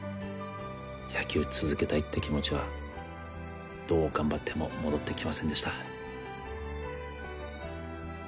野球続けたいって気持ちはどう頑張っても戻ってきませんでした